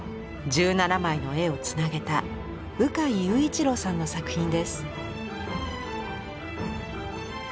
１７枚の絵をつなげた鵜飼結一朗さんの作品です。